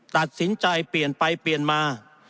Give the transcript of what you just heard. ตัดสินใจเปลี่ยนไปเปลี่ยนมา